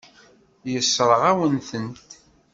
Yessṛeɣ-awen-ten.